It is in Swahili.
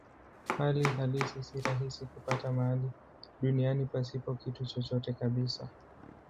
Hali halisi si rahisi kupata mahali duniani pasipo kitu chochote kabisa.